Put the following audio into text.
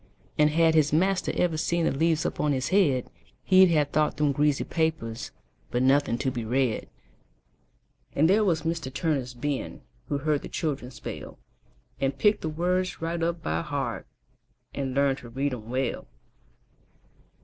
And had his master ever seen The leaves up on his head, He'd have thought them greasy papers, But nothing to be read. And there was Mr. Turner's Ben, Who heard the children spell, And picked the words right up by heart, And learned to read 'em well.